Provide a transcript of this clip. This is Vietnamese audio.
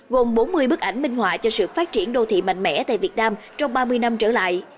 gồm bốn mươi bức ảnh minh họa cho sự phát triển đô thị mạnh mẽ tại việt nam trong ba mươi năm trở lại